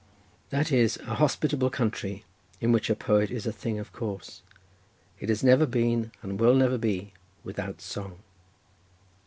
"That is: a hospitable country, in which a poet is a thing of course. It has never been and will never be without song."